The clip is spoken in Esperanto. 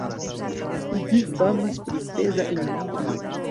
Ĝi famas pri peza industrio.